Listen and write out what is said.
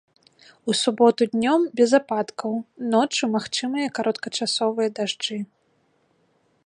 У суботу днём без ападкаў, ноччу магчымыя кароткачасовыя дажджы.